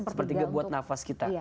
sepertiga buat nafas kita